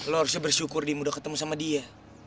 lo harus bersyukur dim udah ketemu sama dia